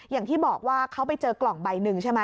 อย่างที่บอกว่าเขาไปเจอกล่องใบหนึ่งใช่ไหม